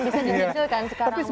bisa dikonsumsi kan sekarang emas itu